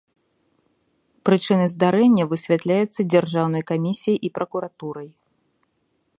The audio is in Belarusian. Прычыны здарэння высвятляюцца дзяржаўнай камісіяй і пракуратурай.